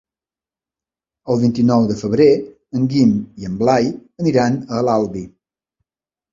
El vint-i-nou de febrer en Guim i en Blai aniran a l'Albi.